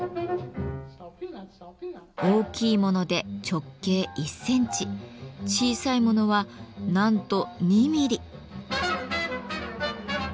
大きいもので直径１センチ小さいものはなんと２ミリ。